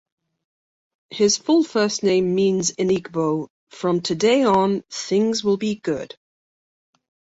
His full first name means in Igbo "from today on, things will be good".